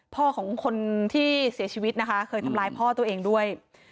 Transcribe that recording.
ของคนที่เสียชีวิตนะคะเคยทำร้ายพ่อตัวเองด้วย